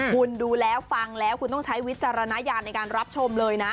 คุณดูแล้วฟังแล้วคุณต้องใช้วิจารณญาณในการรับชมเลยนะ